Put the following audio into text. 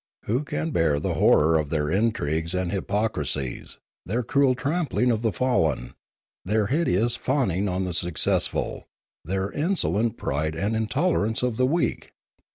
11 Who can bear the horror of their intrigues and hypo crisies, their cruel trampling of the fallen, their hideous fawning on the successful, their insolent pride and in tolerance of the weak